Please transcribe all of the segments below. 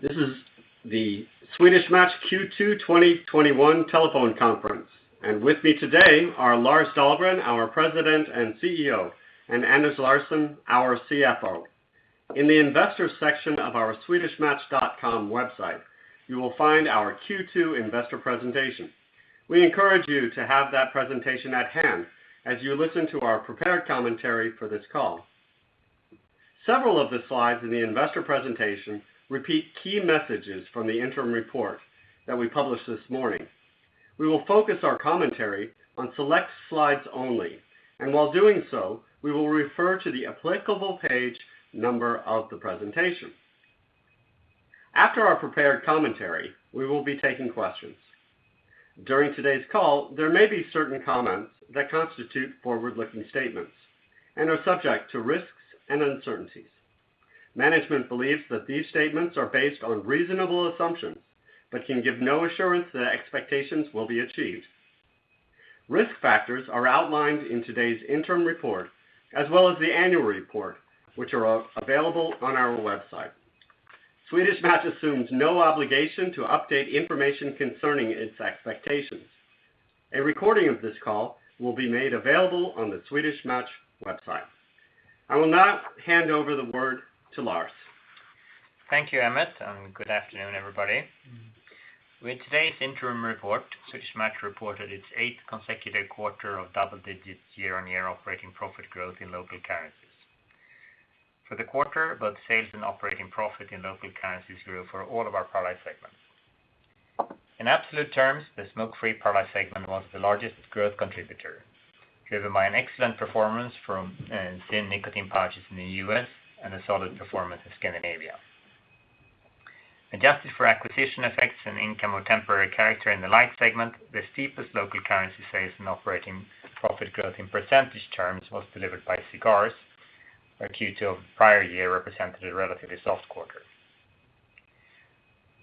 This is the Swedish Match Q2 2021 telephone conference. With me today are Lars Dahlgren, our President and CEO, and Anders Larsson, our CFO. In the investors section of our swedishmatch.com website, you will find our Q2 investor presentation. We encourage you to have that presentation at hand as you listen to our prepared commentary for this call. Several of the slides in the investor presentation repeat key messages from the interim report that we published this morning. We will focus our commentary on select slides only, and while doing so, we will refer to the applicable page number of the presentation. After our prepared commentary, we will be taking questions. During today's call, there may be certain comments that constitute forward-looking statements and are subject to risks and uncertainties. Management believes that these statements are based on reasonable assumptions, but can give no assurance that expectations will be achieved. Risk factors are outlined in today's interim report, as well as the annual report, which are available on our website. Swedish Match assumes no obligation to update information concerning its expectations. A recording of this call will be made available on the Swedish Match website. I will now hand over the word to Lars. Thank you, Emmett, and good afternoon, everybody. With today's interim report, Swedish Match reported its eighth consecutive quarter of double-digit year-on-year operating profit growth in local currencies. For the quarter, both sales and operating profit in local currencies grew for all of our product segments. In absolute terms, the smoke-free product segment was the largest growth contributor, driven by an excellent performance from ZYN nicotine pouches in the U.S. and a solid performance in Scandinavia. Adjusted for acquisition effects and income of temporary character in the light segment, the steepest local currency sales and operating profit growth in percentage terms was delivered by cigars, where Q2 of the prior year represented a relatively soft quarter.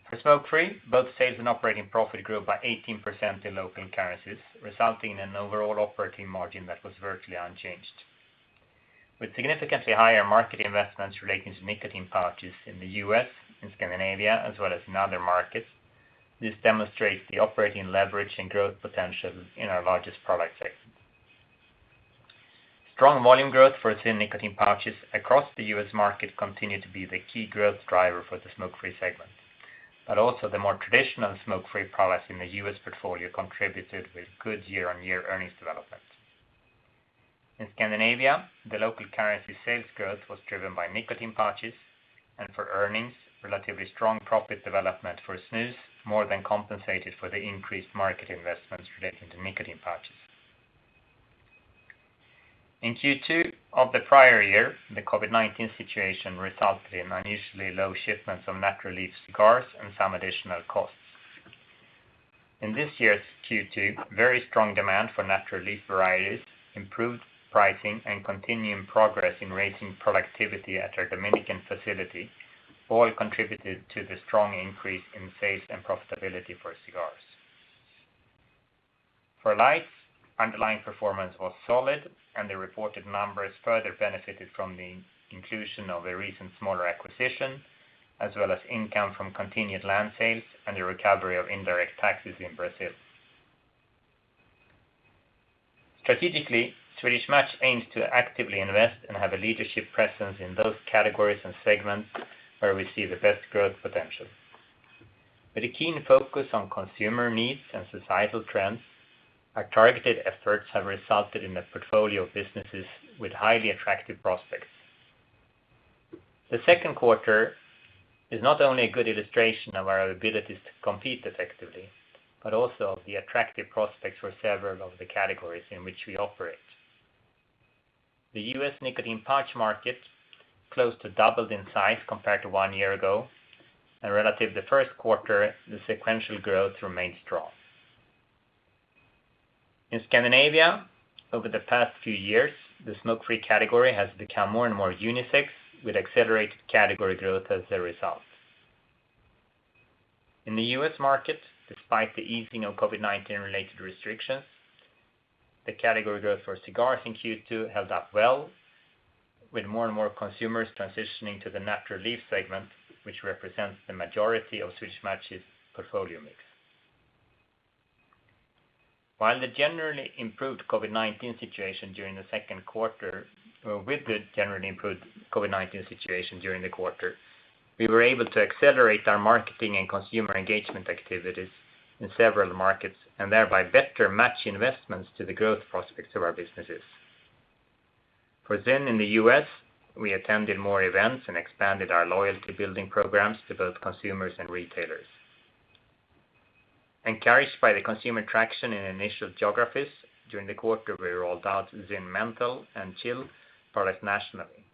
For smoke-free, both sales and operating profit grew by 18% in local currencies, resulting in an overall operating margin that was virtually unchanged. With significantly higher market investments relating to nicotine pouches in the U.S. and Scandinavia, as well as in other markets, this demonstrates the operating leverage and growth potential in our largest product segment. Strong volume growth for ZYN nicotine pouches across the U.S. market continued to be the key growth driver for the smoke-free segment, but also the more traditional smoke-free products in the U.S. portfolio contributed with good year-on-year earnings development. In Scandinavia, the local currency sales growth was driven by nicotine pouches, and for earnings, relatively strong profit development for snus more than compensated for the increased market investments relating to nicotine pouches. In Q2 of the prior year, the COVID-19 situation resulted in unusually low shipments of Natural Leaf cigars and some additional costs. In this year's Q2, very strong demand for Natural Leaf varieties, improved pricing, and continuing progress in raising productivity at our Dominican facility all contributed to the strong increase in sales and profitability for cigars. For lights, underlying performance was solid, and the reported numbers further benefited from the inclusion of a recent smaller acquisition, as well as income from continued land sales and the recovery of indirect taxes in Brazil. Strategically, Swedish Match aims to actively invest and have a leadership presence in those categories and segments where we see the best growth potential. With a keen focus on consumer needs and societal trends, our targeted efforts have resulted in a portfolio of businesses with highly attractive prospects. The second quarter is not only a good illustration of our abilities to compete effectively, but also of the attractive prospects for several of the categories in which we operate. The U.S. nicotine pouch market close to doubled in size compared to one year ago, and relative to the first quarter, the sequential growth remains strong. In Scandinavia, over the past few years, the smoke-free category has become more and more unisex, with accelerated category growth as a result. In the U.S. market, despite the easing of COVID-19 related restrictions, the category growth for cigars in Q2 held up well with more and more consumers transitioning to the Natural Leaf segment, which represents the majority of Swedish Match's portfolio mix. With the generally improved COVID-19 situation during the quarter, we were able to accelerate our marketing and consumer engagement activities in several markets and thereby better match investments to the growth prospects of our businesses. For ZYN in the U.S., we attended more events and expanded our loyalty building programs to both consumers and retailers. Encouraged by the consumer traction in initial geographies during the quarter, we rolled out ZYN Menthol and ZYN Chill product nationally.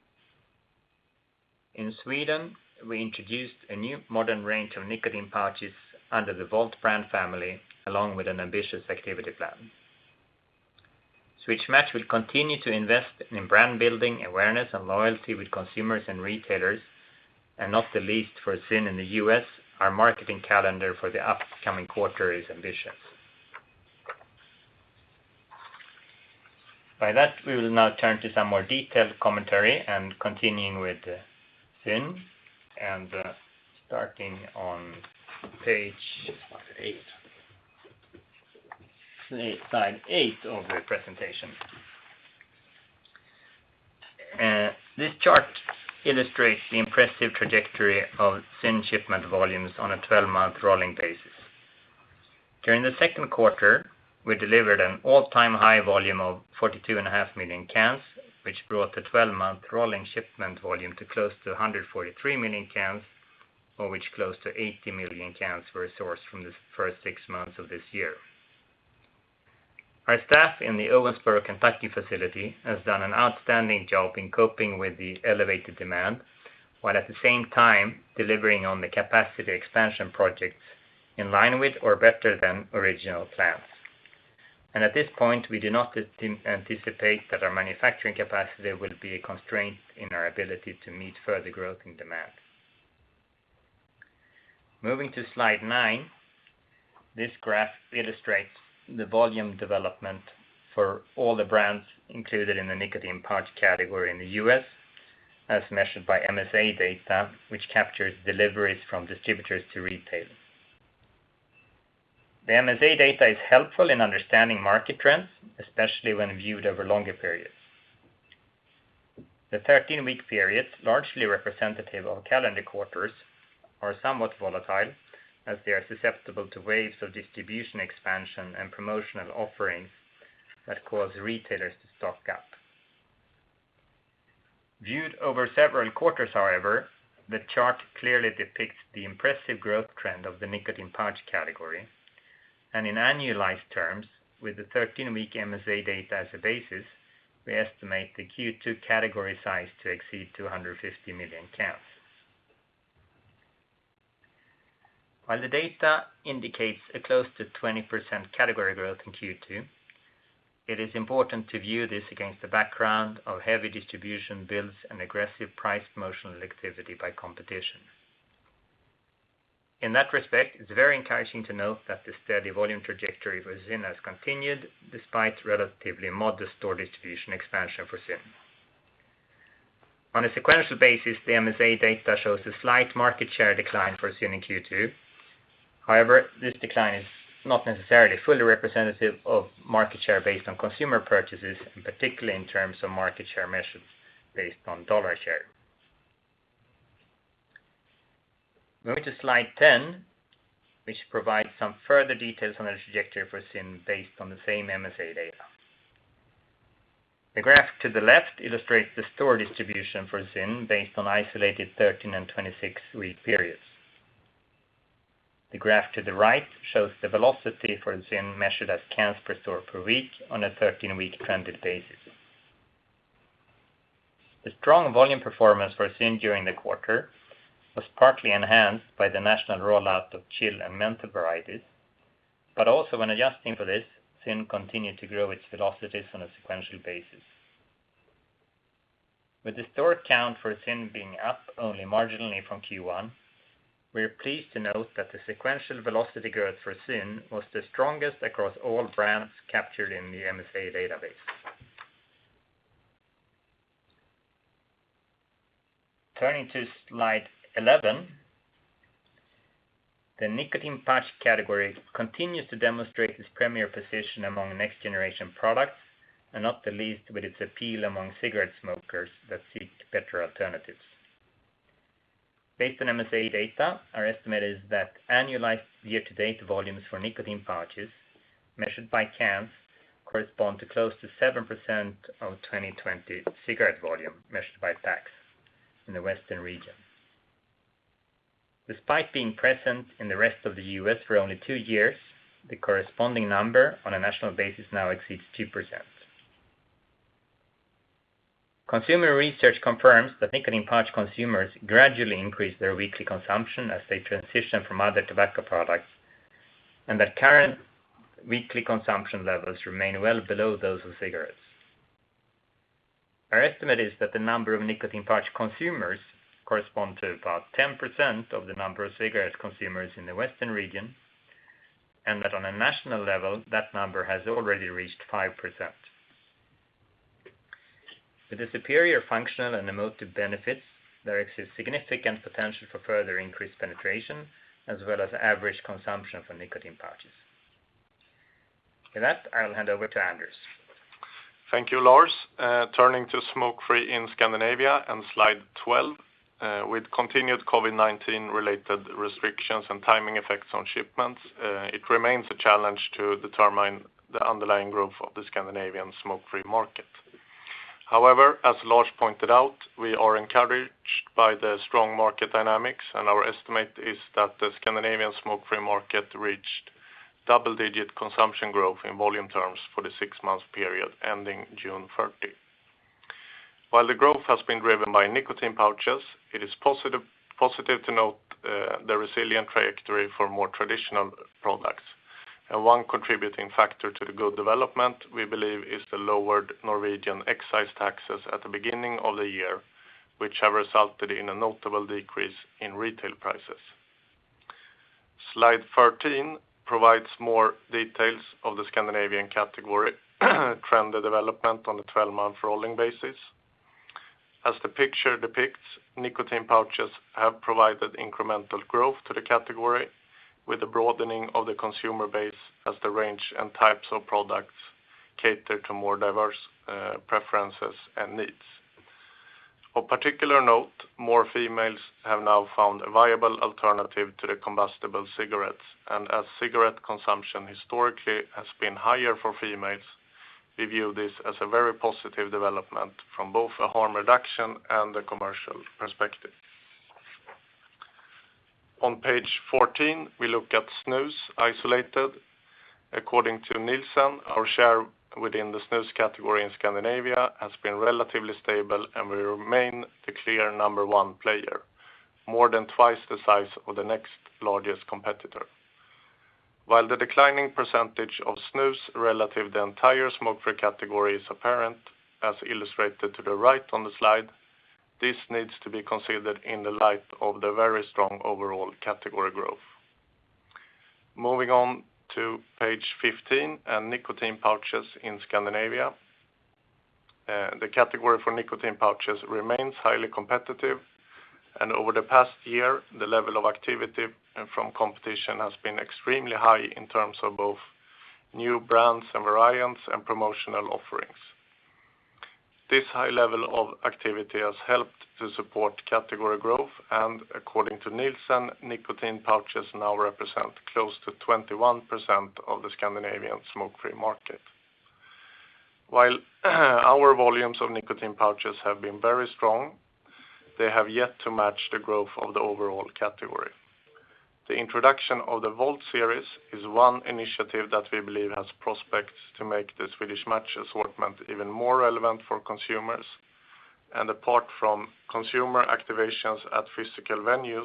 In Sweden, we introduced a new modern range of nicotine pouches under the VOLT brand family, along with an ambitious activity plan. Swedish Match will continue to invest in brand building awareness and loyalty with consumers and retailers, and not the least for ZYN in the U.S., our marketing calendar for the upcoming quarter is ambitious. By that, we will now turn to some more detailed commentary and continuing with the ZYN and starting on page eight. Slide eight of the presentation. This chart illustrates the impressive trajectory of ZYN shipment volumes on a 12-month rolling basis. During the second quarter, we delivered an all-time high volume of 42.5 million cans, which brought the 12-month rolling shipment volume to close to 143 million cans, of which close to 80 million cans were sourced from the first six months of this year. Our staff in the Owensboro, Kentucky facility has done an outstanding job in coping with the elevated demand, while at the same time delivering on the capacity expansion projects in line with or better than original plans. At this point, we do not anticipate that our manufacturing capacity will be a constraint in our ability to meet further growth in demand. Moving to slide nine, this graph illustrates the volume development for all the brands included in the nicotine pouch category in the U.S., as measured by MSA data, which captures deliveries from distributors to retailers. The MSA data is helpful in understanding market trends, especially when viewed over longer periods. The 13-week periods, largely representative of calendar quarters, are somewhat volatile as they are susceptible to waves of distribution expansion and promotional offerings that cause retailers to stock up. In annualized terms, with the 13-week MSA data as a basis, we estimate the Q2 category size to exceed 250 million cans. While the data indicates a close to 20% category growth in Q2, it is important to view this against the background of heavy distribution builds and aggressive price promotional activity by competition. In that respect, it's very encouraging to note that the steady volume trajectory for ZYN has continued despite relatively modest store distribution expansion for ZYN. On a sequential basis, the MSA data shows a slight market share decline for ZYN in Q2. However, this decline is not necessarily fully representative of market share based on consumer purchases, and particularly in terms of market share measures based on dollar share. Moving to slide 10, which provides some further details on the trajectory for ZYN based on the same MSA data. The graph to the left illustrates the store distribution for ZYN based on isolated 13- and 26-week periods. The graph to the right shows the velocity for ZYN measured as cans per store per week on a 13-week trended basis. The strong volume performance for ZYN during the quarter was partly enhanced by the national rollout of Chill and Menthol varieties. Also, when adjusting for this, ZYN continued to grow its velocities on a sequential basis. With the store count for ZYN being up only marginally from Q1, we are pleased to note that the sequential velocity growth for ZYN was the strongest across all brands captured in the MSA database. Turning to slide 11, the nicotine pouch category continues to demonstrate its premier position among next generation products, and not the least with its appeal among cigarette smokers that seek better alternatives. Based on MSA data, our estimate is that annualized year-to-date volumes for nicotine pouches measured by cans correspond to close to 7% of 2020 cigarette volume measured by packs in the Western region. Despite being present in the rest of the U.S. for only two years, the corresponding number on a national basis now exceeds 2%. Consumer research confirms that nicotine pouch consumers gradually increase their weekly consumption as they transition from other tobacco products, and that current weekly consumption levels remain well below those of cigarettes. Our estimate is that the number of nicotine pouch consumers correspond to about 10% of the number of cigarette consumers in the Western region, and that on a national level, that number has already reached 5%. With the superior functional and emotive benefits, there exists significant potential for further increased penetration, as well as average consumption for nicotine pouches. With that, I'll hand over to Anders. Thank you, Lars. Turning to smoke-free in Scandinavia on slide 12. With continued COVID-19 related restrictions and timing effects on shipments, it remains a challenge to determine the underlying growth of the Scandinavian smoke-free market. However, as Lars pointed out, we are encouraged by the strong market dynamics, and our estimate is that the Scandinavian smoke-free market reached double-digit consumption growth in volume terms for the six-month period ending June 30. While the growth has been driven by nicotine pouches, it is positive to note the resilient trajectory for more traditional products. One contributing factor to the good development, we believe, is the lowered Norwegian excise taxes at the beginning of the year, which have resulted in a notable decrease in retail prices. Slide 13 provides more details of the Scandinavian category, trend the development on the 12-month rolling basis. As the picture depicts, nicotine pouches have provided incremental growth to the category with the broadening of the consumer base as the range and types of products cater to more diverse preferences and needs. Of particular note, more females have now found a viable alternative to the combustible cigarettes, and as cigarette consumption historically has been higher for females, we view this as a very positive development from both a harm reduction and a commercial perspective. On page 14, we look at snus isolated. According to Nielsen, our share within the snus category in Scandinavia has been relatively stable, and we remain the clear number one player, more than twice the size of the next largest competitor. While the declining percentage of snus relative to the entire smoke-free category is apparent, as illustrated to the right on the slide, this needs to be considered in the light of the very strong overall category growth. Moving on to page 15 and nicotine pouches in Scandinavia. The category for nicotine pouches remains highly competitive, and over the past year, the level of activity from competition has been extremely high in terms of both new brands and variants and promotional offerings. This high level of activity has helped to support category growth, and according to Nielsen, nicotine pouches now represent close to 21% of the Scandinavian smoke-free market. While, our volumes of nicotine pouches have been very strong, they have yet to match the growth of the overall category. The introduction of the Volt series is one initiative that we believe has prospects to make the Swedish Match assortment even more relevant for consumers. Apart from consumer activations at physical venues,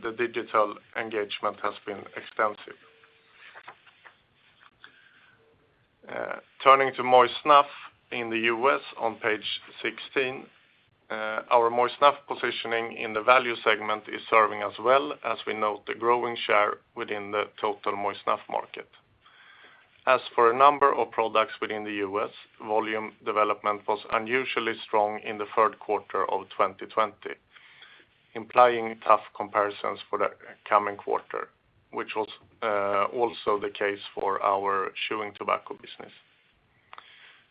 the digital engagement has been extensive. Turning to moist snuff in the U.S. on page 16. Our moist snuff positioning in the value segment is serving us well as we note the growing share within the total moist snuff market. As for a number of products within the U.S., volume development was unusually strong in the third quarter of 2020, implying tough comparisons for the coming quarter, which was also the case for our chewing tobacco business.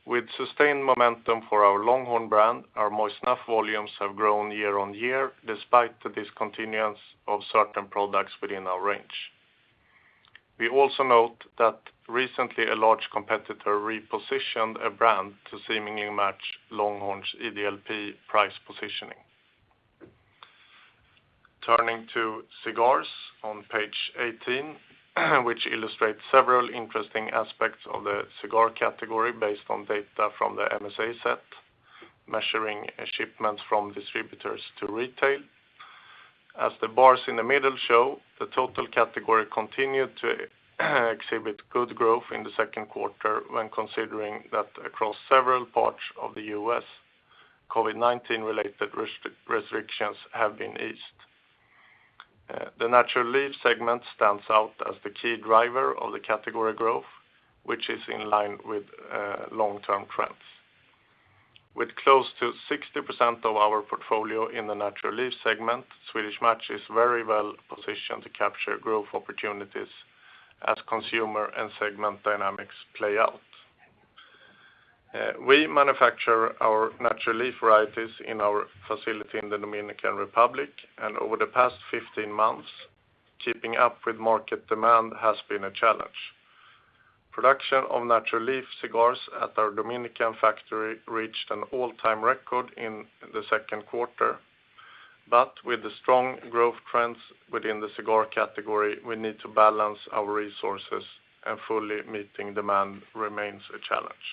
With sustained momentum for our Longhorn brand, our moist snuff volumes have grown year-on-year despite the discontinuance of certain products within our range. We also note that recently a large competitor repositioned a brand to seemingly match Longhorn's EDLP price positioning. Turning to cigars on page 18, which illustrates several interesting aspects of the cigar category based on data from the MSA set, measuring shipments from distributors to retail. As the bars in the middle show, the total category continued to exhibit good growth in the second quarter when considering that across several parts of the U.S., COVID-19 related restrictions have been eased. The Natural Leaf segment stands out as the key driver of the category growth, which is in line with long-term trends. With close to 60% of our portfolio in the Natural Leaf segment, Swedish Match is very well positioned to capture growth opportunities as consumer and segment dynamics play out. We manufacture our Natural Leaf varieties in our facility in the Dominican Republic, and over the past 15 months, keeping up with market demand has been a challenge. Production of Natural Leaf cigars at our Dominican factory reached an all-time record in the second quarter. With the strong growth trends within the cigar category, we need to balance our resources, and fully meeting demand remains a challenge.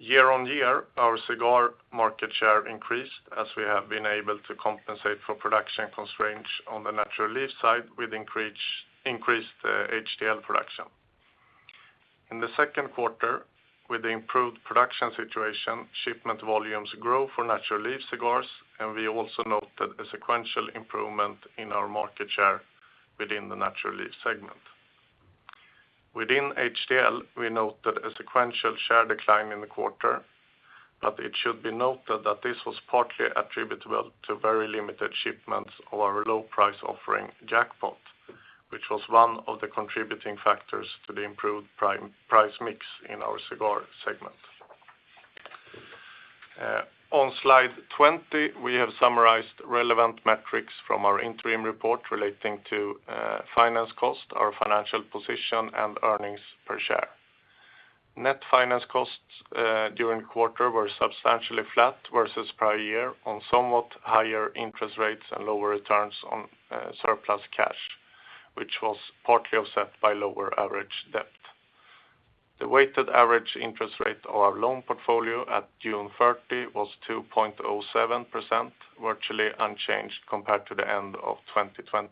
Year-on-year, our cigar market share increased as we have been able to compensate for production constraints on the Natural Leaf side with increased HTL production. In the second quarter, with the improved production situation, shipment volumes grow for Natural Leaf cigars, and we also noted a sequential improvement in our market share within the Natural Leaf segment. Within HTL, we noted a sequential share decline in the quarter, but it should be noted that this was partly attributable to very limited shipments of our low-price offering Jackpot, which was one of the contributing factors to the improved price mix in our cigar segment. On slide 20, we have summarized relevant metrics from our interim report relating to finance cost, our financial position, and earnings per share. Net finance costs during quarter were substantially flat versus prior year on somewhat higher interest rates and lower returns on surplus cash, which was partly offset by lower average debt. The weighted average interest rate of our loan portfolio at June 30 was 2.07%, virtually unchanged compared to the end of 2020.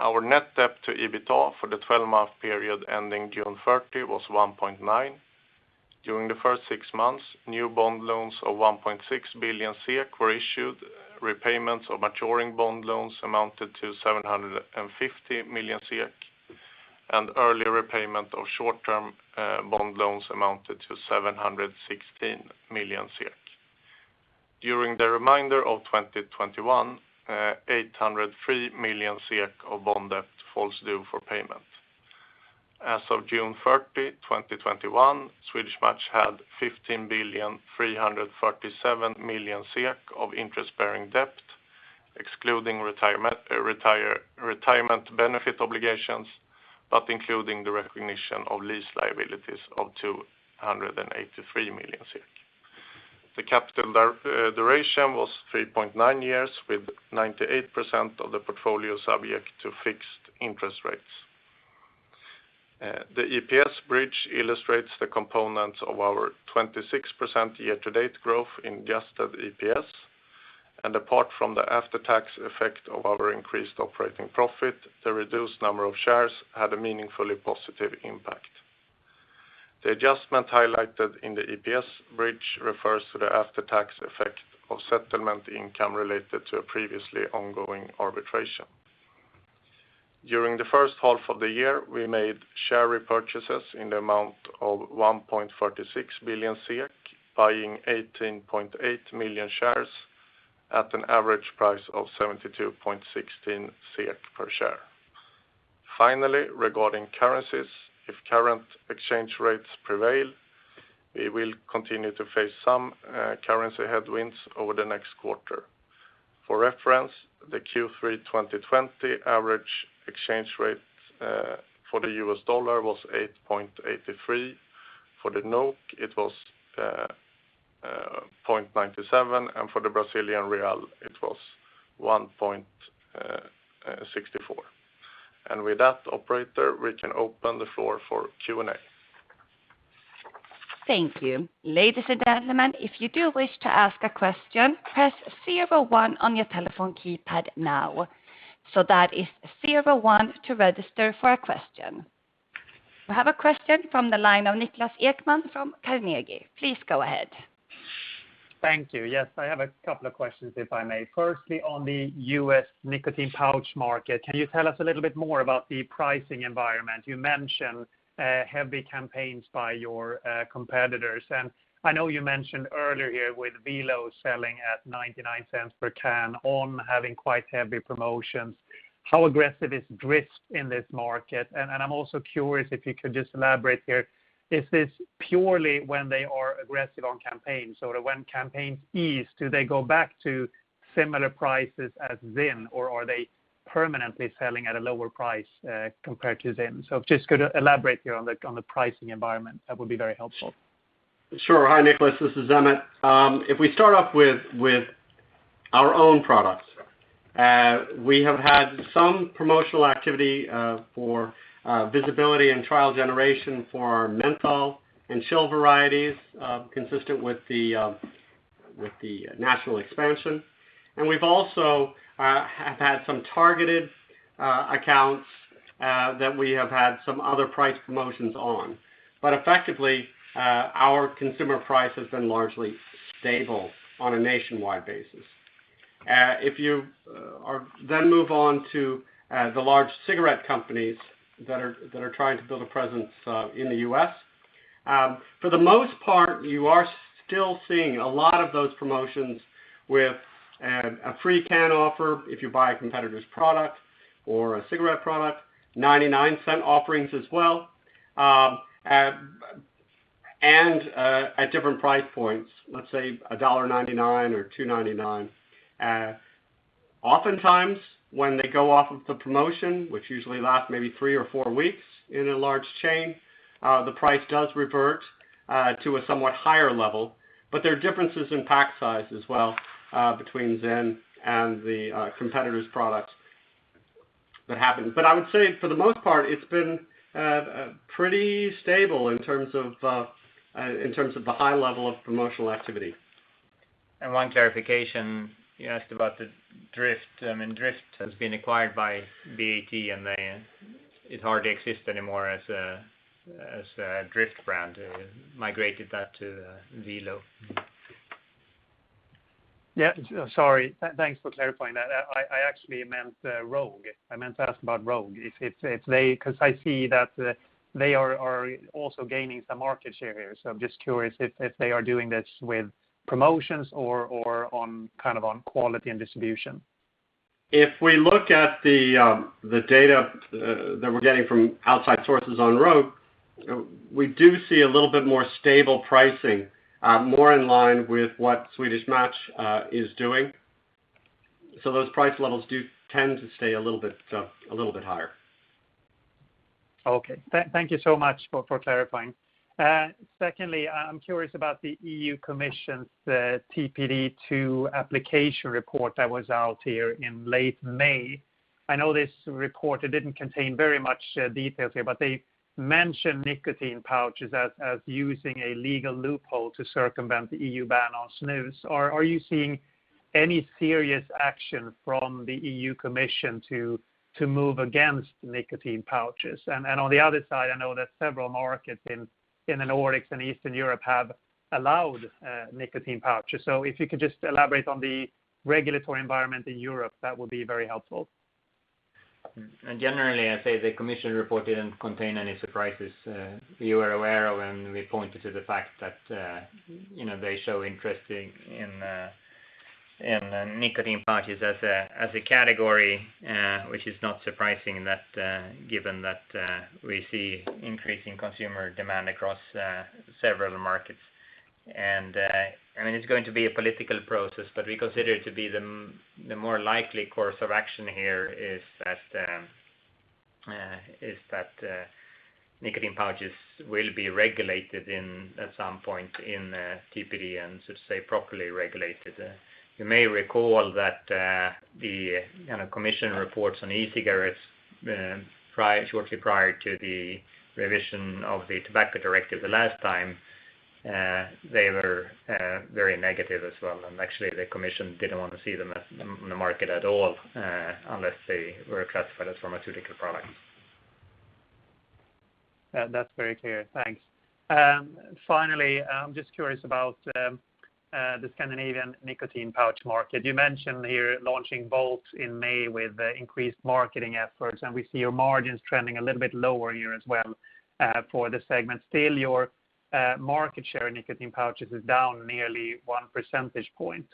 Our net debt to EBITDA for the 12-month period ending June 30 was 1.9%. During the first six months, new bond loans of 1.6 billion SEK were issued. Repayments of maturing bond loans amounted to 750 million SEK, and early repayment of short-term bond loans amounted to 716 million. During the remainder of 2021, 803 million of bond debt falls due for payment. As of June 30, 2021, Swedish Match had 15,337 million SEK of interest-bearing debt, excluding retirement benefit obligations, but including the recognition of lease liabilities of 283 million. The capital duration was 3.9 years, with 98% of the portfolio subject to fixed interest rates. The EPS bridge illustrates the components of our 26% year-to-date growth in adjusted EPS. Apart from the after-tax effect of our increased operating profit, the reduced number of shares had a meaningfully positive impact. The adjustment highlighted in the EPS bridge refers to the after-tax effect of settlement income related to a previously ongoing arbitration. During the first half of the year, we made share repurchases in the amount of 1.46 billion, buying 18.8 million shares at an average price of 72.16 per share. Finally, regarding currencies, if current exchange rates prevail, we will continue to face some currency headwinds over the next quarter. For reference, the Q3 2020 average exchange rate for the US dollar was $8.83. For the NOK, it was 0.97, and for the Brazilian real, it was 1.64. With that, operator, we can open the floor for Q&A. Thank you. Ladies and gentlemen, if you do wish to ask a question, press zero one on your telephone keypad now. That is zero one to register for a question. We have a question from the line of Niklas Ekman from Carnegie. Please go ahead. Thank you. Yes, I have a couple of questions, if I may. Firstly, on the U.S. nicotine pouch market, can you tell us a little bit more about the pricing environment? You mentioned heavy campaigns by your competitors, and I know you mentioned earlier here with Velo selling at $0.99 per can on having quite heavy promotions. How aggressive is DRYFT in this market? I'm also curious if you could just elaborate here, is this purely when they are aggressive on campaigns or when campaigns ease, do they go back to similar prices as ZYN, or are they permanently selling at a lower price compared to ZYN? If you just could elaborate here on the pricing environment, that would be very helpful. Sure. Hi, Niklas, this is Emmett. If we start off with our own products, we have had some promotional activity for visibility and trial generation for our menthol and chill varieties, consistent with the national expansion. We've also have had some targeted accounts that we have had some other price promotions on. Effectively, our consumer price has been largely stable on a nationwide basis. If you move on to the large cigarette companies that are trying to build a presence in the U.S., for the most part, you are still seeing a lot of those promotions with a free can offer if you buy a competitor's product or a cigarette product, $0.99 offerings as well, at different price points, let's say $1.99 or $2.99. Oftentimes when they go off of the promotion, which usually lasts maybe three or four weeks in a large chain, the price does revert to a somewhat higher level, but there are differences in pack size as well, between ZYN and the competitor's product that happens. I would say for the most part, it's been pretty stable in terms of the high level of promotional activity. One clarification, you asked about the DRYFT. DRYFT has been acquired by BAT, it hardly exists anymore as a DRYFT brand, migrated that to Velo. Yeah. Sorry. Thanks for clarifying that. I actually meant Rogue. I meant to ask about Rogue. Because I see that they are also gaining some market share here, I'm just curious if they are doing this with promotions or on kind of on quality and distribution. If we look at the data that we're getting from outside sources on Rogue, we do see a little bit more stable pricing, more in line with what Swedish Match is doing. Those price levels do tend to stay a little bit higher. Okay. Thank you so much for clarifying. Secondly, I'm curious about the European Commission's TPD2 application report that was out here in late May. I know this report, it didn't contain very much details here, but they mentioned nicotine pouches as using a legal loophole to circumvent the EU ban on snus. Are you seeing any serious action from the European Commission to move against nicotine pouches. On the other side, I know that several markets in the Nordics and Eastern Europe have allowed nicotine pouches. If you could just elaborate on the regulatory environment in Europe, that would be very helpful. Generally, I'd say the Commission report didn't contain any surprises. You were aware of and we pointed to the fact that, you know, they show interest in nicotine pouches as a category, which is not surprising given that we see increasing consumer demand across several markets. I mean, it's going to be a political process, but we consider it to be the more likely course of action here is that nicotine pouches will be regulated at some point in TPD and so to say, properly regulated. You may recall that, you know, Commission reports on e-cigarettes shortly prior to the revision of the Tobacco Directive the last time, they were very negative as well. Actually, the Commission didn't want to see them as on the market at all, unless they were classified as pharmaceutical products. That's very clear. Thanks. Finally, I'm just curious about the Scandinavian nicotine pouch market. You mentioned here launching Velo in May with increased marketing efforts, and we see your margins trending a little bit lower here as well for this segment. Still, your market share in nicotine pouches is down nearly 1 percentage point.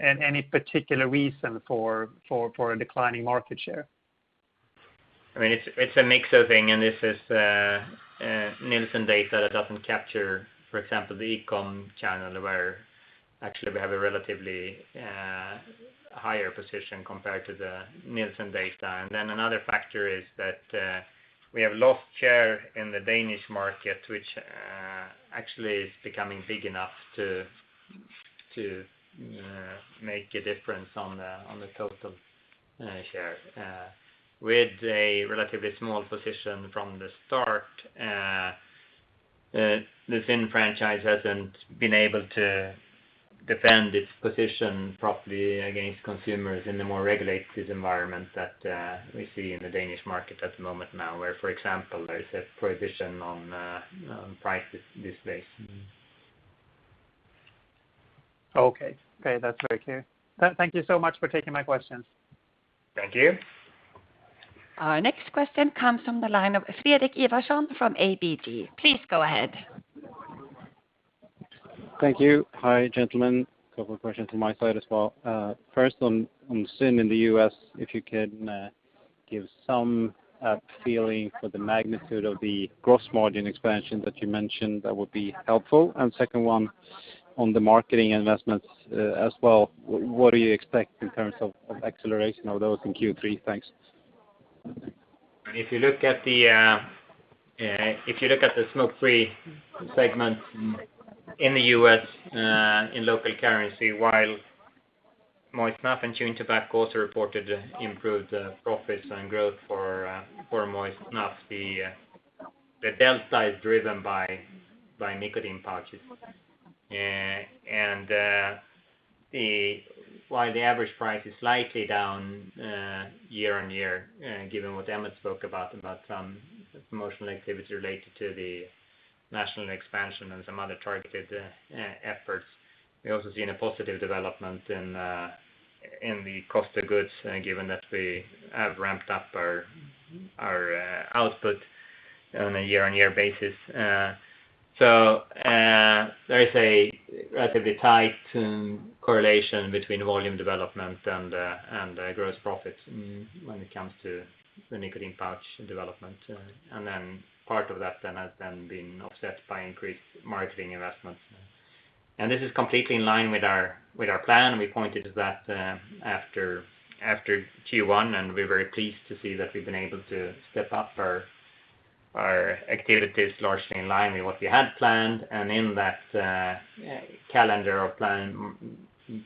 Any particular reason for a declining market share? I mean, it's a mix of things. This is Nielsen data that doesn't capture, for example, the e-com channel where actually we have a relatively higher position compared to the Nielsen data. Another factor is that we have lost share in the Danish market, which actually is becoming big enough to make a difference on the total share. With a relatively small position from the start, the ZYN franchise hasn't been able to defend its position properly against consumers in the more regulated environment that we see in the Danish market at the moment now, where, for example, there is a prohibition on price display. Okay. Okay. That's very clear. Thank you so much for taking my questions. Thank you. Our next question comes from the line of Fredrik Ivarsson from ABG. Please go ahead. Thank you. Hi, gentlemen. Couple of questions from my side as well. First on ZYN in the U.S., if you can give some feeling for the magnitude of the gross margin expansion that you mentioned, that would be helpful. Second one on the marketing investments as well, what do you expect in terms of acceleration of those in Q3? Thanks. If you look at the, if you look at the smoke-free segment in the U.S., in local currency, while moist snuff and chewing tobacco also reported improved profits and growth for moist snuff, the delta is driven by nicotine pouches. While the average price is slightly down year-on-year, given what Emmett spoke about some promotional activity related to the national expansion and some other targeted e-efforts. We've also seen a positive development in the cost of goods, given that we have ramped up our output on a year-on-year basis. There is a relatively tight correlation between volume development and gross profit when it comes to the nicotine pouch development. Part of that then has been offset by increased marketing investments. This is completely in line with our plan. We pointed to that after Q1, we're very pleased to see that we've been able to step up our activities largely in line with what we had planned. In that calendar or plan,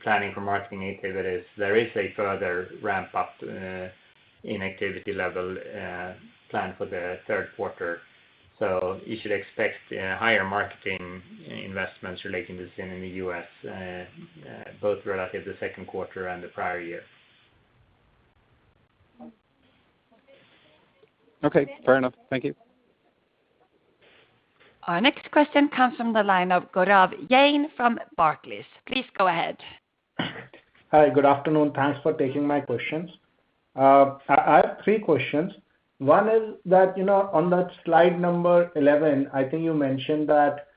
planning for marketing activities, there is a further ramp up in activity level planned for the third quarter. You should expect higher marketing investments relating to ZYN in the U.S. both relative to the second quarter and the prior year. Okay. Fair enough. Thank you. Our next question comes from the line of Gaurav Jain from Barclays. Please go ahead. Hi, good afternoon. Thanks for taking my questions. I have three questions. One is that, you know, on that slide number 11, I think you mentioned that,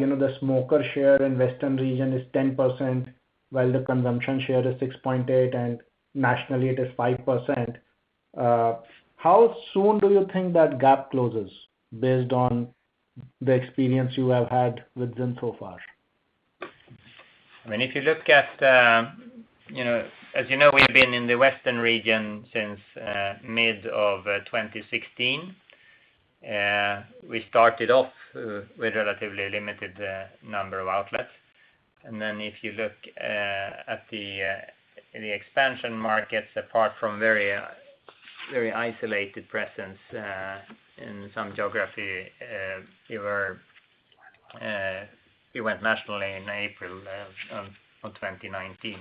you know, the smoker share in Western region is 10%, while the consumption share is 6.8, and nationally it is 5%. How soon do you think that gap closes based on the experience you have had with ZYN so far? I mean, if you look at, you know, as you know, we've been in the Western region since mid of 2016. We started off with relatively limited number of outlets. Then if you look at the expansion markets, apart from very isolated presence in some geography. We were, we went nationally in April of 2019.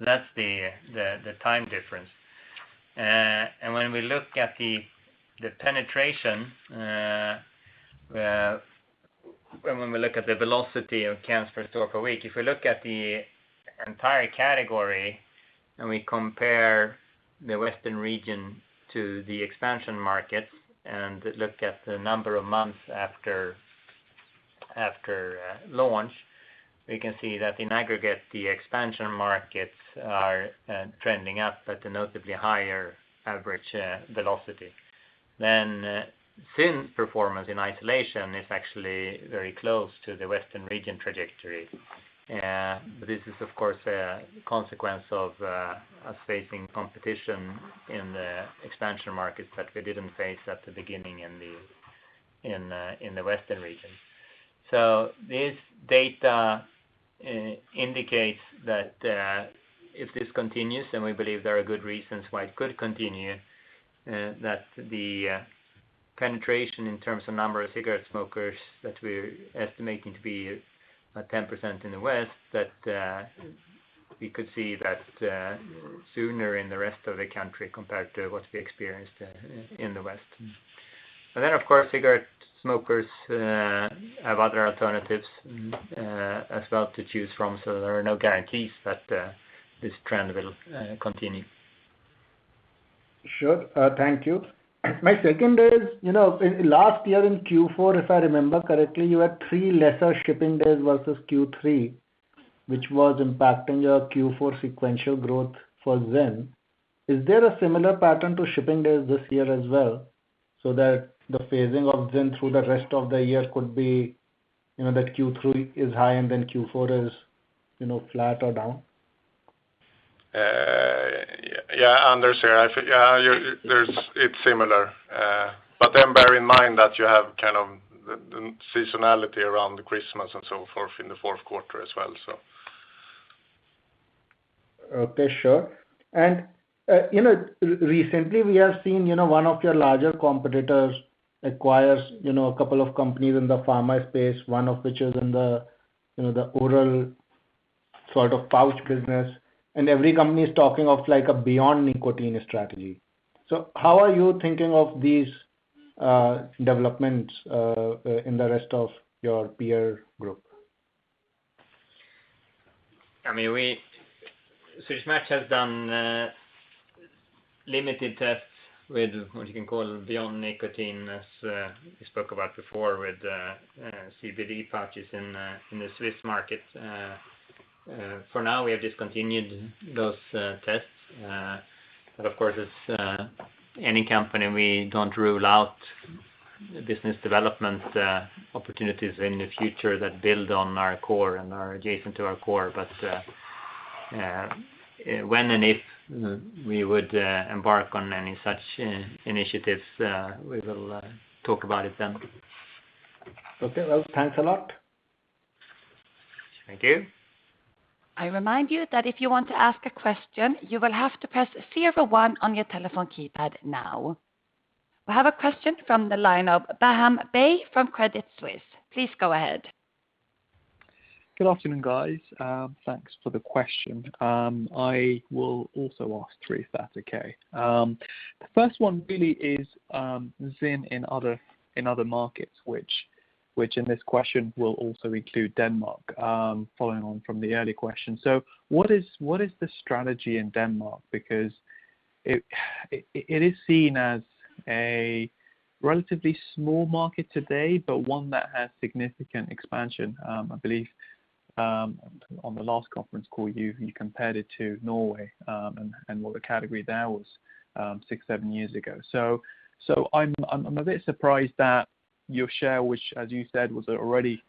That's the time difference. When we look at the penetration, when we look at the velocity of cans per store per week, if we look at the entire category and we compare the Western region to the expansion markets and look at the number of months after launch, we can see that in aggregate, the expansion markets are trending up at a notably higher average velocity. ZYN performance in isolation is actually very close to the Western region trajectory. This is of course a consequence of us facing competition in the expansion markets that we didn't face at the beginning in the, in the Western region. This data indicates that if this continues, and we believe there are good reasons why it could continue, that the penetration in terms of number of cigarette smokers that we're estimating to be 10% in the West, that we could see that sooner in the rest of the country compared to what we experienced in the West. Of course, cigarette smokers have other alternatives as well to choose from, so there are no guarantees that this trend will continue. Sure. thank you. My second is, you know, last year in Q4, if I remember correctly, you had 3 lesser shipping days versus Q3, which was impacting your Q4 sequential growth for ZYN. Is there a similar pattern to shipping days this year as well, so that the phasing of ZYN through the rest of the year could be, you know, that Q3 is high and then Q4 is, you know, flat or down? Anders here. I think it's similar. Bear in mind that you have kind of the seasonality around the Christmas and so forth in the fourth quarter as well. Okay. Sure. You know, recently we have seen, you know, one of your larger competitors acquires, you know, a couple of companies in the pharma space, one of which is in the, you know, the oral sort of pouch business, and every company is talking of like a beyond nicotine strategy. How are you thinking of these developments in the rest of your peer group? I mean, Swedish Match has done limited tests with what you can call beyond nicotine, as we spoke about before with CBD pouches in the Swiss market. For now, we have discontinued those tests. Of course, as any company, we don't rule out business development opportunities in the future that build on our core and are adjacent to our core. When and if we would embark on any such initiatives, we will talk about it then. Okay. Well, thanks a lot. Thank you. We have a question from the line of Faham Baig from Credit Suisse. Please go ahead. Good afternoon, guys. Thanks for the question. I will also ask three, if that's okay. The first one really is ZYN in other markets, which in this question will also include Denmark, following on from the earlier question. What is the strategy in Denmark? Because it is seen as a relatively small market today, but one that has significant expansion. I believe on the last conference call you compared it to Norway, and what the category there was six to seven years ago. I'm a bit surprised that your share, which as you said, was already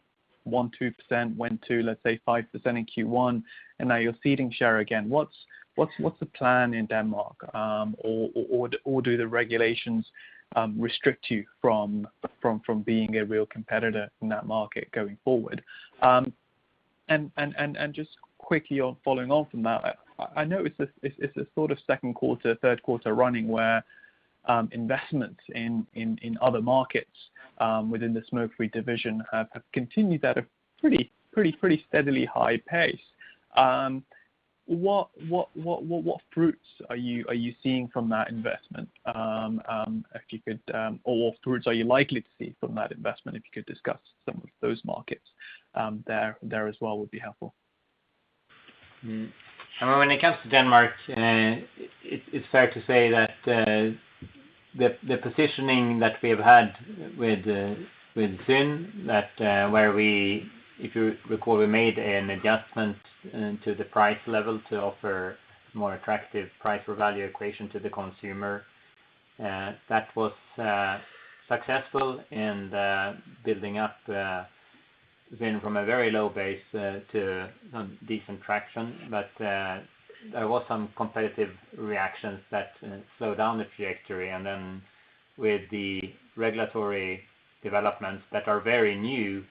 1%-2%, went to, let's say, 5% in Q1, and now you're ceding share again. What's the plan in Denmark? Or do the regulations restrict you from being a real competitor in that market going forward? Just quickly on following on from that, I know it's a sort of second quarter, third quarter running where investments in other markets within the smoke-free division have continued at a pretty steadily high pace. What fruits are you seeing from that investment? If you could, or afterwards, are you likely to see from that investment? If you could discuss some of those markets there as well would be helpful. I mean, when it comes to Denmark, it's fair to say that the positioning that we have had with ZYN that where we, if you recall, we made an adjustment to the price level to offer more attractive price for value equation to the consumer. That was successful in building up ZYN from a very low base to decent traction. There was some competitive reactions that slowed down the trajectory. With the regulatory developments that are very new,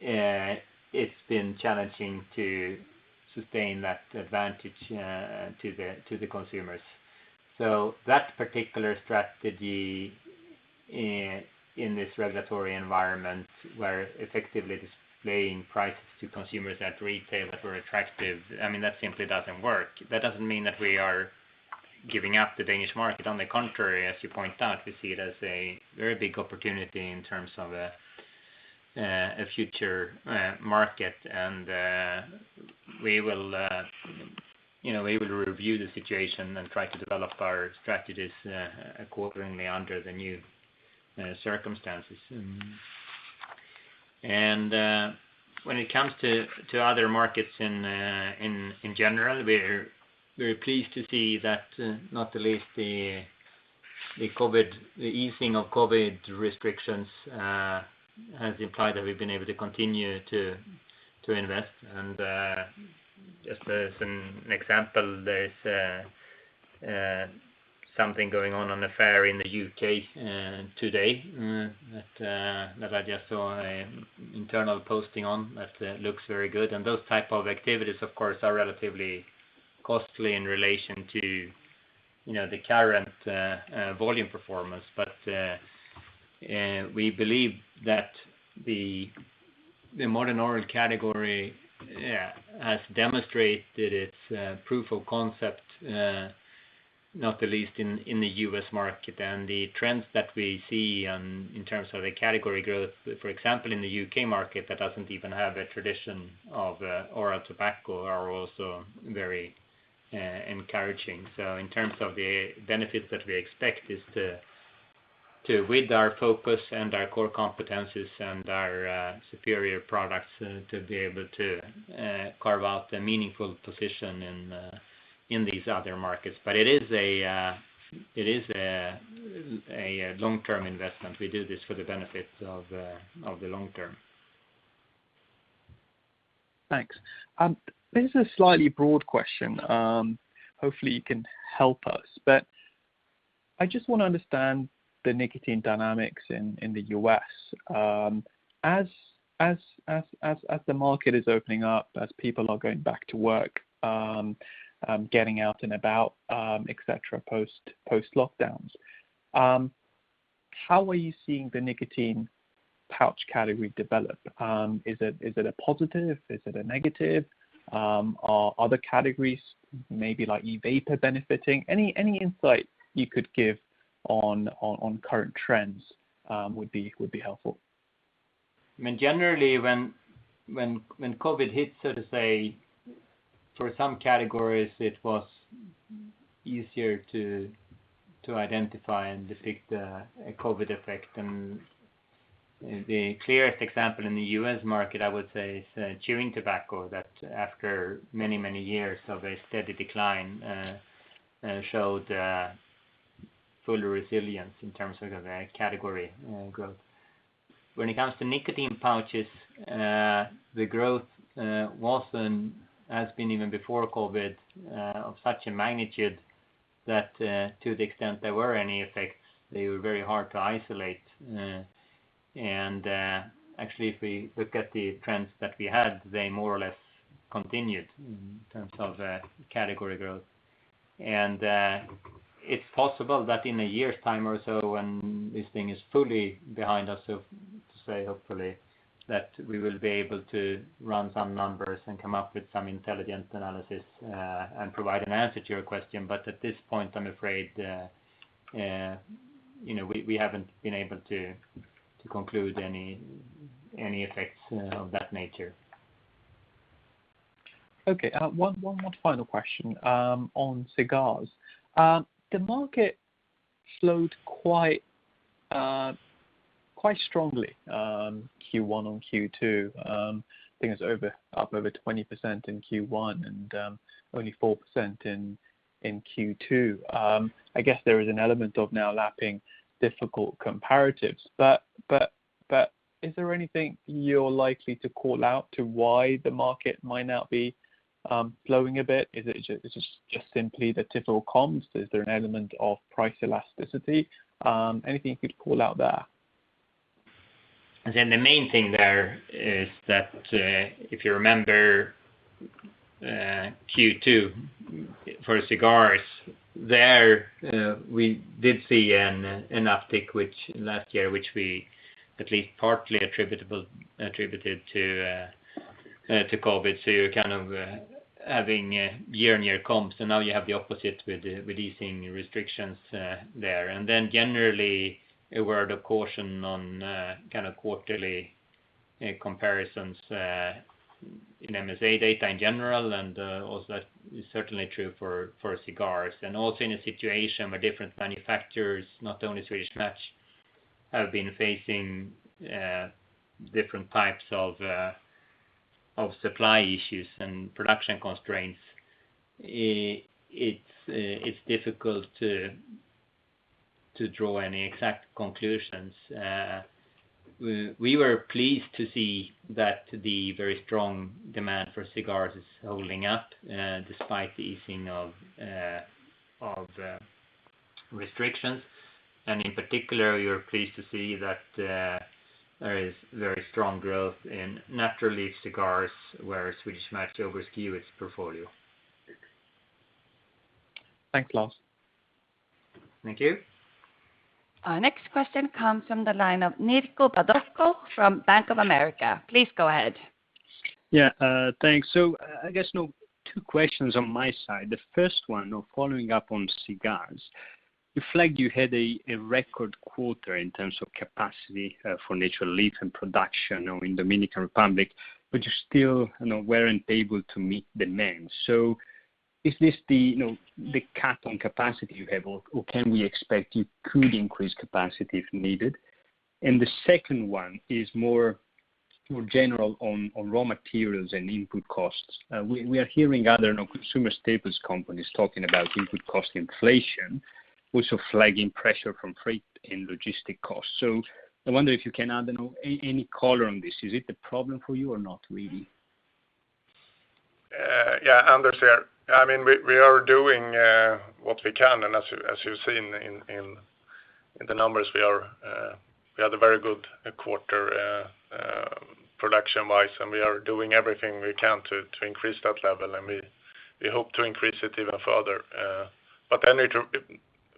it's been challenging to sustain that advantage to the consumers. That particular strategy in this regulatory environment where effectively displaying prices to consumers at retail that were attractive, I mean, that simply doesn't work. That doesn't mean that we are giving up the Danish market. the contrary, as you point out, we see it as a very big opportunity in terms of a future market. We will, you know, able to review the situation and try to develop our strategies accordingly under the new circumstances. When it comes to other markets in general, we're pleased to see that not the least the easing of COVID restrictions has implied that we've been able to continue to invest. Just as an example, there's something going on on a fair in the U.K. today that I just saw a internal posting on that looks very good. Those type of activities, of course, are relatively costly in relation to, you know, the current volume performance. We believe that the modern oral category has demonstrated its proof of concept, not the least in the U.S. market. The trends that we see in terms of the category growth, for example, in the U.K. market that doesn't even have a tradition of oral tobacco are also very encouraging. In terms of the benefits that we expect is to with our focus and our core competencies and our superior products to be able to carve out a meaningful position in these other markets. It is a, it is a long-term investment. We do this for the benefits of the long term. Thanks. This is a slightly broad question. Hopefully you can help us, but I just want to understand the nicotine dynamics in the U.S. as the market is opening up, as people are going back to work, getting out and about, et cetera, post-lockdowns, how are you seeing the nicotine pouch category develop? Is it a positive? Is it a negative? Are other categories maybe like e-vapor benefiting? Any insight you could give on current trends would be helpful. I mean, generally when COVID hit, so to say, for some categories, it was easier to identify and depict a COVID effect. The clearest example in the U.S. market, I would say, is chewing tobacco that after many, many years of a steady decline, showed full resilience in terms of the category growth. When it comes to nicotine pouches, the growth wasn't as been even before COVID, of such a magnitude that to the extent there were any effects, they were very hard to isolate. Actually, if we look at the trends that we had, they more or less continued in terms of the category growth. It's possible that in a year's time or so when this thing is fully behind us, so to say, hopefully, that we will be able to run some numbers and come up with some intelligent analysis and provide an answer to your question. At this point, I'm afraid, you know, we haven't been able to conclude any effects of that nature. Okay. One more final question on cigars. The market slowed quite strongly Q1 on Q2. I think it's over, up over 20% in Q1 and only 4% in Q2. I guess there is an element of now lapping difficult comparatives, but is there anything you're likely to call out to why the market might now be slowing a bit? Is it just simply the typical comps? Is there an element of price elasticity? Anything you could call out there? The main thing there is that, if you remember, Q2 for cigars, there, we did see an uptick, which last year, which we at least partly attributed to COVID. You're kind of having a year-on-year comps, and now you have the opposite with the releasing restrictions there. Generally, a word of caution on kind of quarterly comparisons in MSA data in general, and also that is certainly true for cigars. Also in a situation where different manufacturers, not only Swedish Match, have been facing different types of supply issues and production constraints, it's difficult to draw any exact conclusions. We were pleased to see that the very strong demand for cigars is holding up despite the easing of restrictions. In particular, we are pleased to see that there is very strong growth in Natural Leaf cigars where Swedish Match overskews its portfolio. Thanks, Lars. Thank you. Our next question comes from the line of Mirco Badocco from Bank of America. Please go ahead. Yeah. Thanks. I guess, you know, two questions on my side. The first one of following up on cigars. You flagged you had a record quarter in terms of capacity for Natural Leaf and production, you know, in Dominican Republic, but you still, you know, weren't able to meet the demand. Is this the, you know, the cap on capacity you have or can we expect you could increase capacity if needed? The second one is more general on raw materials and input costs. We are hearing other, you know, consumer staples companies talking about input cost inflation, also flagging pressure from freight and logistic costs. I wonder if you can add, you know, any color on this. Is it a problem for you or not really? Yeah, Anders here. I mean, we are doing what we can. As you've seen in the numbers, we are, we had a very good quarter production-wise, and we are doing everything we can to increase that level. We hope to increase it even further.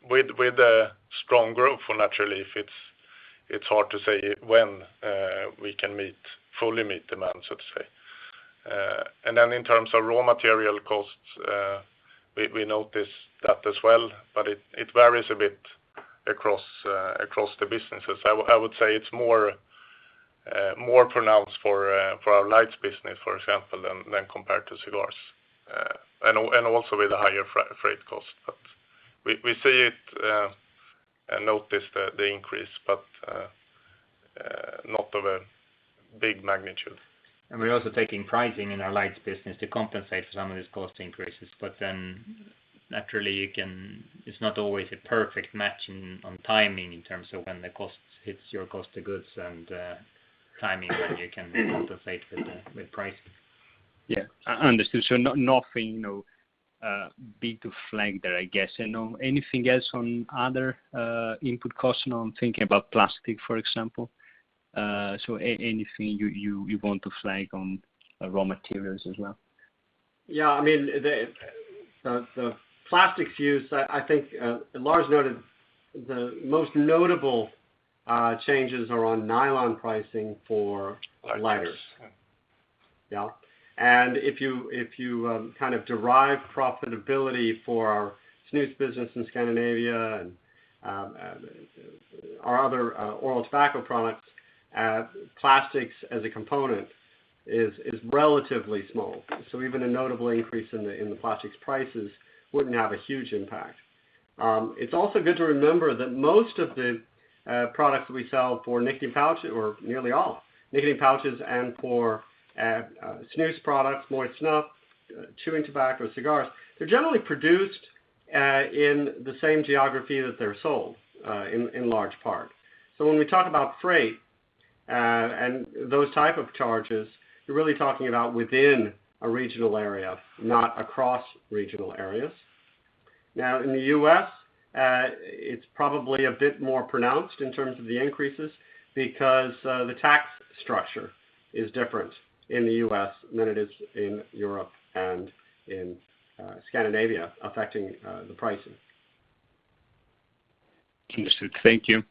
With the strong growth for Natural Leaf, it's hard to say when we can meet, fully meet demand, so to say. In terms of raw material costs, we notice that as well, but it varies a bit across the businesses. I would say it's more pronounced for our lights business, for example, than compared to cigars. Also, with the higher freight cost. We see it, and notice the increase, but not of a big magnitude. We're also taking pricing in our lights business to compensate for some of these cost increases. naturally it's not always a perfect match in, on timing in terms of when the costs hits your cost of goods and timing when you can compensate with price. Yeah. Understood. Nothing, you know, big to flag there, I guess. You know, anything else on other input costs? Now I'm thinking about plastic, for example. Anything you want to flag on raw materials as well? Yeah. I mean, the plastics use, I think, Lars noted the most notable changes are on nylon pricing for lighters. Lighters. If you kind of derive profitability for our snus business in Scandinavia and our other oral tobacco products, plastics as a component is relatively small. Even a notable increase in the plastics prices wouldn't have a huge impact. It's also good to remember that most of the products we sell for nicotine pouch or nearly all nicotine pouches and for snus products, moist snuff, chewing tobacco, cigars, they're generally produced in the same geography that they're sold in large part. When we talk about freight and those type of charges, you're really talking about within a regional area, not across regional areas. In the U.S., it's probably a bit more pronounced in terms of the increases because the tax structure is different in the U.S. than it is in Europe and in Scandinavia affecting the pricing. Understood. Thank you.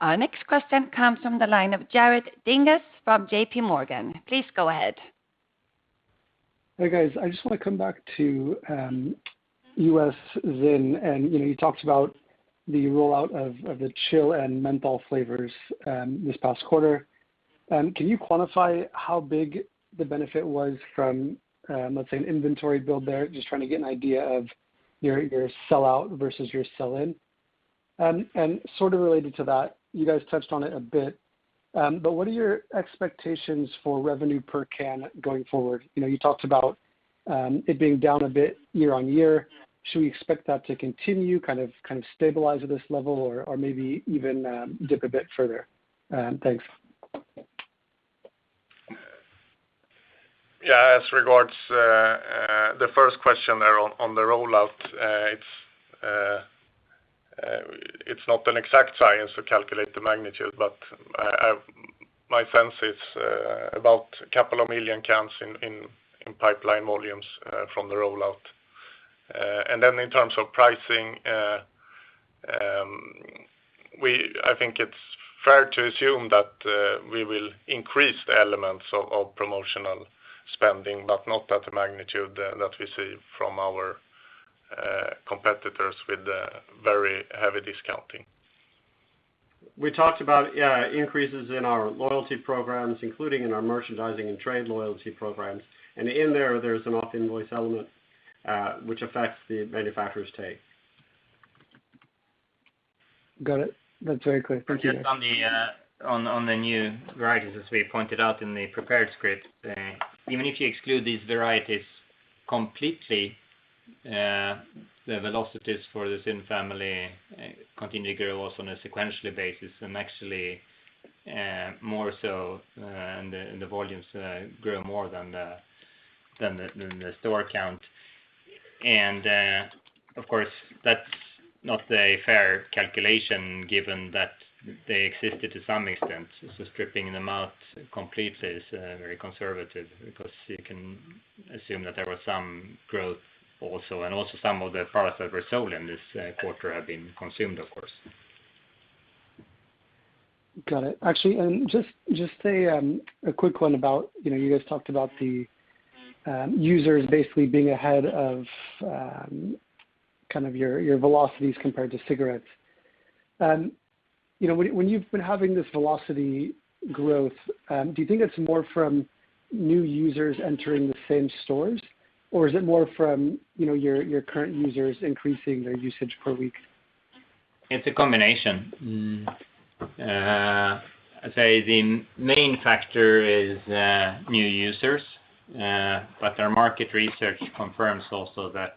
Our next question comes from the line of Jared Dinges from JPMorgan. Please go ahead. Hey, guys. I just want to come back to U.S. ZYN and, you know, you talked about the rollout of the Chill and Menthol flavors this past quarter. Can you quantify how big the benefit was from, let's say an inventory build there? Just trying to get an idea of your sell out versus your sell in. Sort of related to that, you guys touched on it a bit, what are your expectations for revenue per can going forward? You know, you talked about it being down a bit year-on-year. Should we expect that to continue, kind of stabilize at this level or maybe even dip a bit further? Thanks. Yeah. As regards the first question there on the rollout, it's not an exact science to calculate the magnitude, but my sense is about 2 million cans in pipeline volumes from the rollout. Then in terms of pricing, I think it's fair to assume that we will increase the elements of promotional spending, but not at the magnitude that we see from our competitors with the very heavy discounting. We talked about increases in our loyalty programs, including in our merchandising and trade loyalty programs. In there is an off-invoice element, which affects the manufacturer's take. Got it. That's very clear. Thank you. Just on the new varieties, as we pointed out in the prepared script, even if you exclude these varieties completely, the velocities for the ZYN family continue to grow also on a sequential basis and actually more so, and the volumes grow more than the store count. Of course, that's not a fair calculation given that they existed to some extent. Stripping them out completely is very conservative because you can assume that there was some growth also. Also, some of the products that were sold in this quarter have been consumed, of course. Got it. Actually, just a quick one about, you know, you guys talked about the users basically being ahead of kind of your velocities compared to cigarettes. You know, when you've been having this velocity growth, do you think it's more from new users entering the same stores? Or is it more from, you know, your current users increasing their usage per week? It's a combination. I'd say the main factor is new users. Our market research confirms also that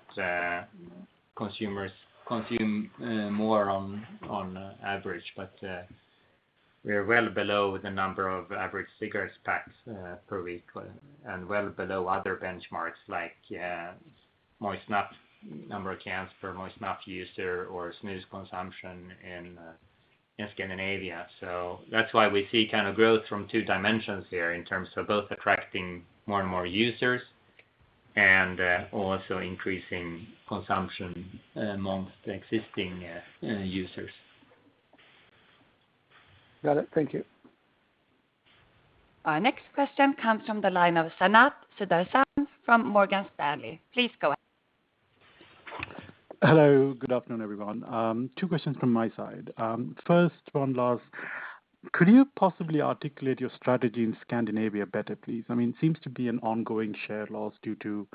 consumers consume more on average. We're well below the number of average cigarettes packs per week and well below other benchmarks like moist snuff, number of cans for moist snuff user or snus consumption in Scandinavia. That's why we see kind of growth from two dimensions here in terms of both attracting more and more users and also increasing consumption amongst the existing users. Got it. Thank you. Our next question comes from the line of Sanath Sudarsan from Morgan Stanley. Please go ahead. Hello. Good afternoon, everyone. Two questions from my side. First one, Lars, could you possibly articulate your strategy in Scandinavia better, please? I mean, it seems to be an ongoing share loss due to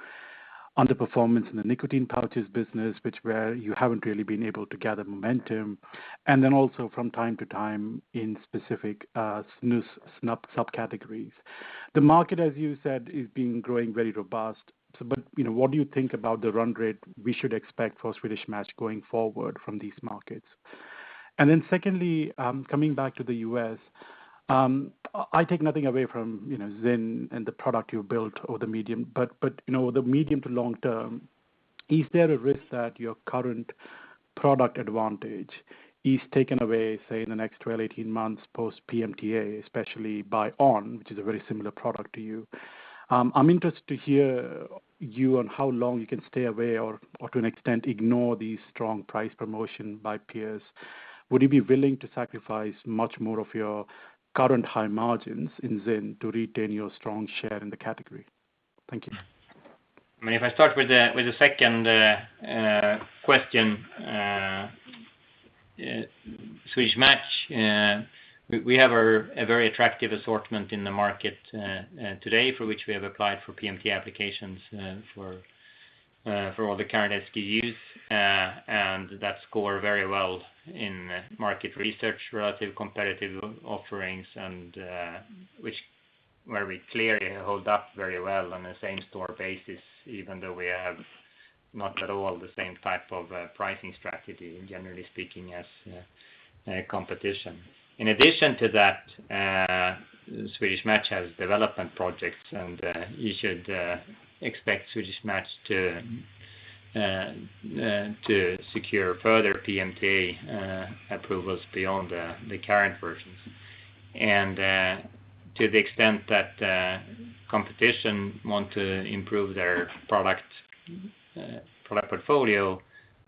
underperformance in the nicotine pouches business, which where you haven't really been able to gather momentum, and then also from time to time in specific snus, snuff subcategories. The market, as you said, is being growing very robust. You know, what do you think about the run rate we should expect for Swedish Match going forward from these markets? Secondly, coming back to the U.S., I take nothing away from, you know, ZYN and the product you built or the medium. You know, the medium to long term, is there a risk that your current product advantage is taken away, say, in the next 12, 18 months post PMTA, especially by on! which is a very similar product to you? I'm interested to hear you on how long you can stay away or to an extent ignore the strong price promotion by peers. Would you be willing to sacrifice much more of your current high margins in ZYN to retain your strong share in the category? Thank you. I mean, if I start with the second question, Swedish Match, we have a very attractive assortment in the market today, for which we have applied for PMTA applications for all the current SKUs, and that score very well in market research, relative competitive offerings and which where we clearly hold up very well on the same store basis, even though we have not at all the same type of pricing strategy, generally speaking as competition. In addition to that, Swedish Match has development projects, and you should expect Swedish Match to secure further PMTA approvals beyond the current versions. To the extent that competition want to improve their product portfolio,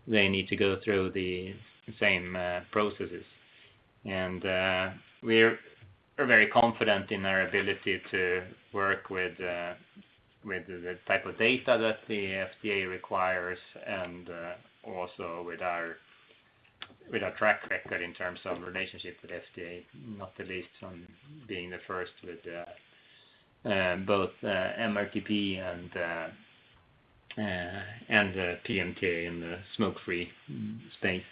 they need to go through the same processes. We're very confident in our ability to work with the type of data that the FDA requires and also with our track record in terms of relationship with FDA, not the least on being the first with both MRTP and the PMTA in the smoke-free space.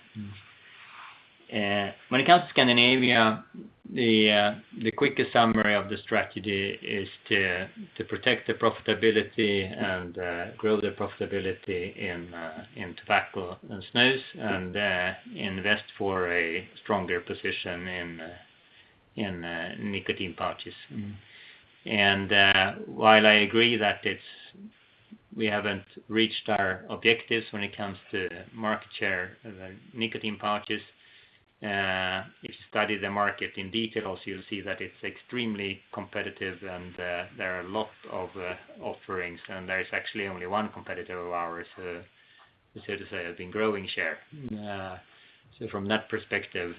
When it comes to Scandinavia, the quickest summary of the strategy is to protect the profitability and grow the profitability in tobacco and snus and invest for a stronger position in nicotine pouches. While I agree that we haven't reached our objectives when it comes to market share of nicotine pouches, if you study the market in details, you'll see that it's extremely competitive and there are a lot of offerings, and there is actually only one competitor of ours who has been growing share. From that perspective,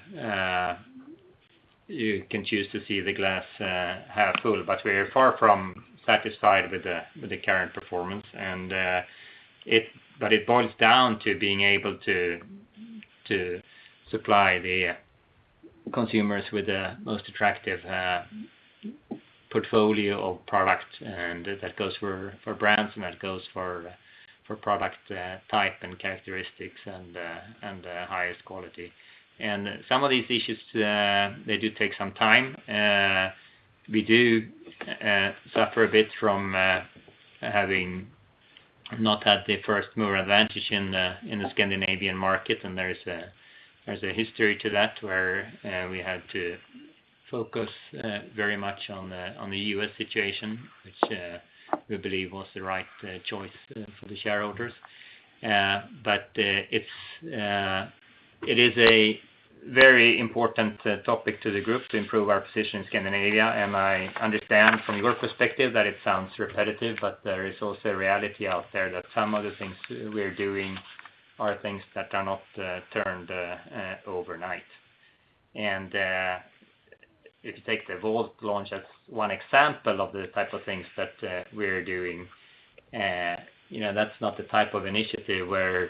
you can choose to see the glass half full, but we're far from satisfied with the current performance. But it boils down to being able to supply the consumers with the most attractive portfolio of products, and that goes for brands, and that goes for product type and characteristics and highest quality. Some of these issues, they do take some time. We do suffer a bit from having not had the first mover advantage in the Scandinavian market, and there is a history to that where we had to focus very much on the U.S. situation, which we believe was the right choice for the shareholders. It is a very important topic to the group to improve our position in Scandinavia, and I understand from your perspective that it sounds repetitive, but there is also a reality out there that some of the things we're doing are things that are not turned overnight. If you take the Volt launch as one example of the type of things that we're doing, you know, that's not the type of initiative where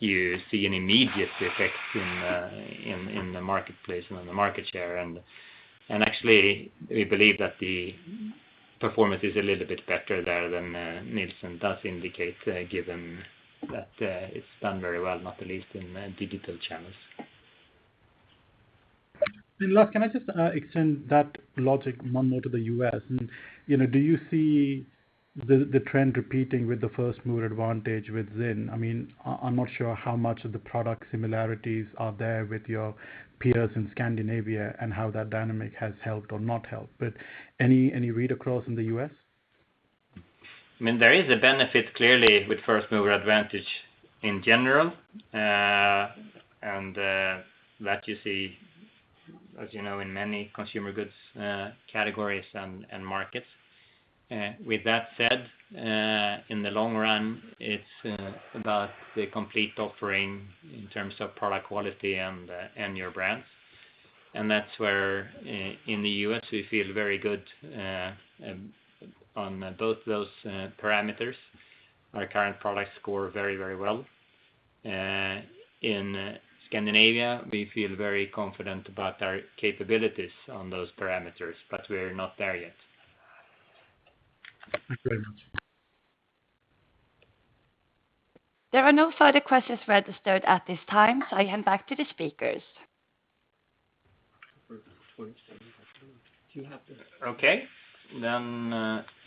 you see an immediate effect in the marketplace and on the market share. Actually, we believe that the performance is a little bit better there than Nielsen does indicate, given that it's done very well, not the least in digital channels. Lars, can I just extend that logic one more to the U.S.? You know, do you see the trend repeating with the first mover advantage with ZYN? I mean, I'm not sure how much of the product similarities are there with your peers in Scandinavia and how that dynamic has helped or not helped. Any read across in the U.S.? I mean, there is a benefit clearly with first mover advantage in general, and that you see, as you know, in many consumer goods categories and markets. With that said, in the long run, it's about the complete offering in terms of product quality and your brands. That's where in the U.S. we feel very good on both those parameters. Our current products score very, very well. In Scandinavia, we feel very confident about our capabilities on those parameters, we're not there yet. Thank you very much. There are no further questions registered at this time. I hand back to the speakers.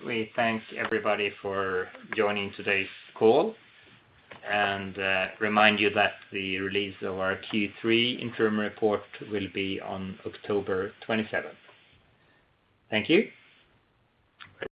We thank everybody for joining today's call and remind you that the release of our Q3 interim report will be on October 27th. Thank you.